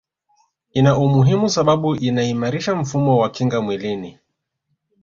ina umuhimu sababu inaimarisha mfumo wa kinga mwilini